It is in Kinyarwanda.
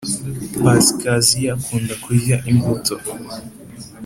pasikaziya akunda kurya imbuto